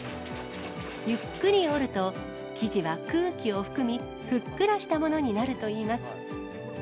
ゆっくり織ると、生地は空気を含み、ふっくらしたものになるといいます。